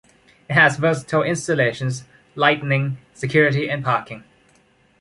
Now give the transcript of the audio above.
It has versatile installations, lightning, security and parking.